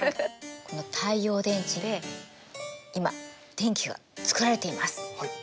この太陽電池で今電気がつくられています。